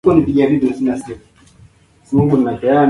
Yakobo alivunja Amri isemayo Usiseme Uongo ingawa baadaye yakobo alitubu